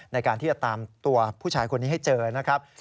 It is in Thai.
ในการที่จะตามตัวผู้ชายคนนี้ให้เจอนะครับ